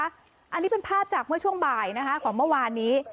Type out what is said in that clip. อันนี้เป็นภาพจากเมื่อช่วงบ่ายนะคะของเมื่อวานนี้